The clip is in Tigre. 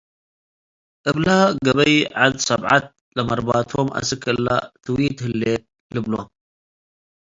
እብለ ገበይ፡ ዐድ ሰብዐት ለመርባቶም አስክ እለ ትዊት ህሌት ልብሎ።